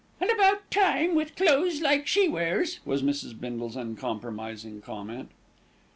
"And about time, with clothes like she wears," was Mrs. Bindle's uncompromising comment.